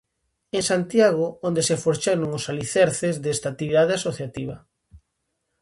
En Santiago, onde se forxaron os alicerces desta actividade asociativa.